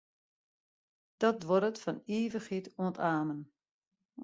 Dat duorret fan ivichheid oant amen.